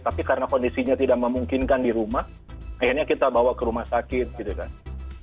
tapi karena kondisinya tidak memungkinkan di rumah akhirnya kita bawa ke rumah sakit gitu kan